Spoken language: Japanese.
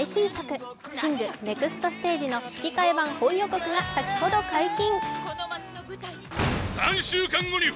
「ＳＩＮＧ／シング：ネクストステージ」の吹き替え版本予告が先ほど解禁。